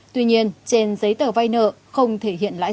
tuy nhiên trên giấy tờ vay nợ không thể hiện lãi suất